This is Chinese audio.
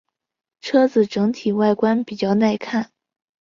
车子整体外观比较耐看。